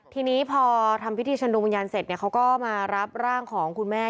ทีนี้พอทำพิธีเชิญดวงวิญญาณเสร็จเขาก็มารับร่างของคุณแม่